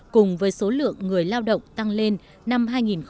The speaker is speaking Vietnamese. cùng với số lượng người lao động tăng lên năm hai nghìn một mươi tám